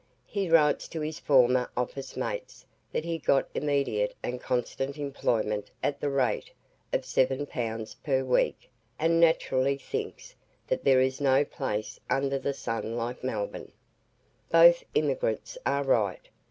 He writes to his former office mates that he got immediate and constant employment at the rate of 7 pounds per week, and naturally thinks that there is no place under the sun like Melbourne. Both emigrants are right.